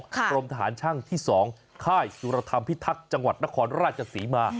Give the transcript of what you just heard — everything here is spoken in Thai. กรมทหารช่างที่๒ค่ายสุรธรรมพิทักษ์จังหวัดนครราชศรีมา